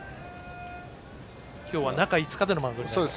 今日は中５日でのマウンドになります。